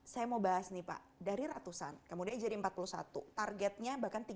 saya mau bahas nih pak dari ratusan kemudian jadi empat puluh satu targetnya bahkan tiga puluh